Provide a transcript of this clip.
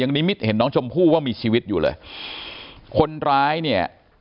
นิมิตเห็นน้องชมพู่ว่ามีชีวิตอยู่เลยคนร้ายเนี่ย